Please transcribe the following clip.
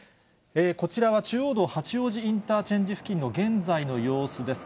こちらは中央道八王子インターチェンジ付近の現在の様子です。